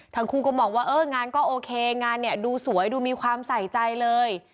ทั้งคู่ก็มองว่าเอองานก็โอเคงานเนี่ยดูสวยดูมีความใส่ใจเลย